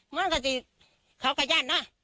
มันกะดิเขากะแย่นเนาะ